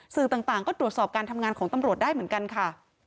สื่อต่างก็ตรวจสอบการทำงานของตำรวจได้เหมือนกันค่ะ